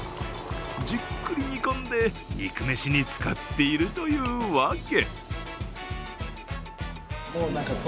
じっくり煮込んで、肉飯に使っているというわけ。